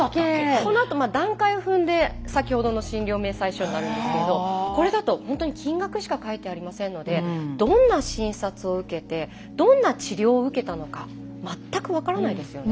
このあと段階を踏んで先ほどの診療明細書になるんですけれどこれだとほんとに金額しか書いてありませんのでどんな診察を受けてどんな治療を受けたのか全く分からないですよね。